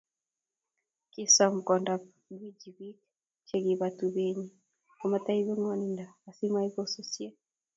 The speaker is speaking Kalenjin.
kisoom kwondab Gwiji biik chekiba tubenyin komtoibu ng'wonin asimoibu sosye